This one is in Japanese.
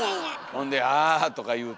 ほんで「あぁ」とか言うて。